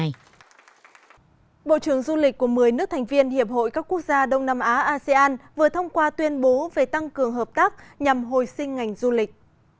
bộ trưởng du lịch của một mươi nước thành viên hiệp hội các quốc gia đông nam á asean vừa thông qua tuyên bố về tăng cường hợp tác nhằm hồi sinh ngành du lịch